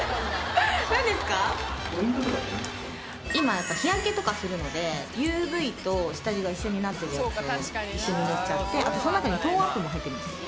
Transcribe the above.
今日焼けとかするのでＵＶと下地が一緒になってるやつを一緒に入れちゃってその中にトーンアップも入ってるんですよ